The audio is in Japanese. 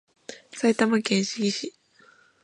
埼玉県志木市